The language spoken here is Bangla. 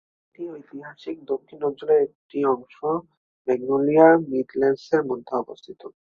এটি ঐতিহাসিক দক্ষিণ অঞ্চলের একটি অংশ ম্যাগনোলিয়া মিডল্যান্ডসের মধ্যে অবস্থিত।